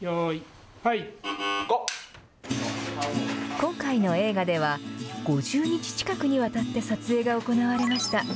今回の映画では５０日近くにわたって撮影が行われました。